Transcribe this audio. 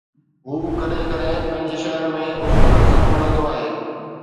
هو ڪڏهن ڪڏهن پنهنجي شهر ۾ استاد سان ملندو آهي.